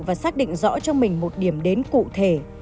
và xác định rõ cho mình một điểm đến cụ thể